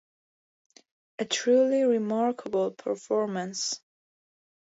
A truly remarkable performance.